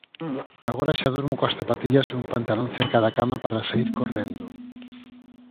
Agora xa durmo coas zapatillas e un pantalón cerca da cama para saír correndo.